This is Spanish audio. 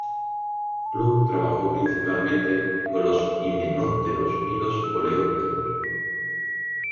Klug trabajó principalmente con los himenópteros y los coleópteros.